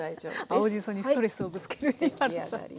青じそにストレスをぶつける井原さん。